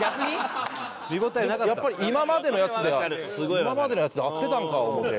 やっぱり今までのやつが今までのやつで合ってたんか思うて。